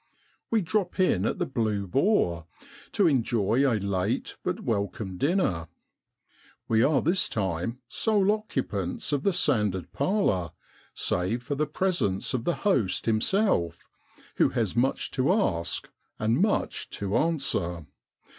We drop in at the { Blue Boar '* to enjoy a late but welcome dinner. We are this time sole occupants of the sanded parlour, save for the presence of the host himself, who has much to ask and much to answer.